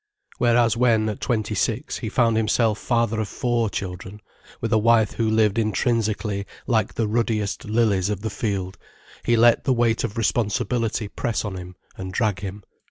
Whereas when, at twenty six, he found himself father of four children, with a wife who lived intrinsically like the ruddiest lilies of the field, he let the weight of responsibility press on him and drag him.